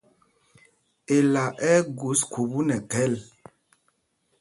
Ela ɛ́ ɛ́ gus khubú nɛ khɛl.